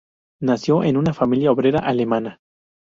Nació en en una familia obrera alemana.